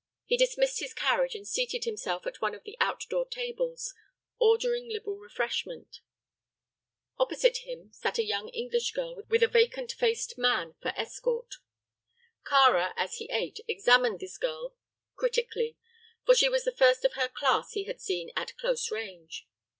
He dismissed his carriage and seated himself at one of the outdoor tables, ordering liberal refreshment. Opposite him sat a young English girl with a vacant faced man for escort. Kāra, as he ate, examined this girl critically, for she was the first of her class he had seen at close range.